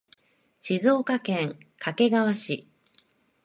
静岡県掛川市